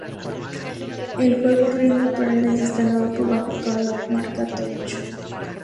El juego Rhythm paradise está en Europa bajo la marca "Touch!